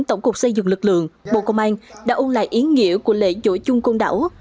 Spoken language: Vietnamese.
tổng cục xây dựng lực lượng bộ công an đã ôn lại ý nghĩa của lễ dỗ chung côn đảo